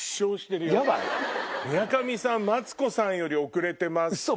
村上さんマツコさんより遅れてますっていう。